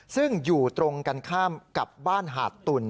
ซึ่งอยู่ตรงกันข้ามกับบ้านหาดตุ่น